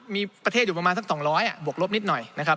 มีประเทศอยู่ประมาณสัก๒๐๐บวกลบนิดหน่อยนะครับ